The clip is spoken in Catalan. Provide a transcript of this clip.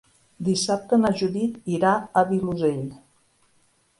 Dissabte na Judit irà al Vilosell.